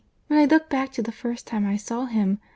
When I look back to the first time I saw him!